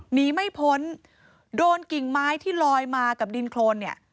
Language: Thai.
หนีไม่พ้นโดนกิ่งไม้ที่ลอยมากับดินโครนเนี่ย